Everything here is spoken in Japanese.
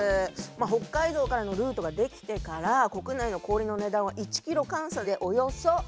まあ北海道からのルートが出来てから国内の氷の値段は１キロ換算でおよそ１，４００円です。